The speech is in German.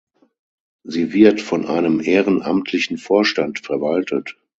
Sie wird von einem ehrenamtlichen Vorstand verwaltet.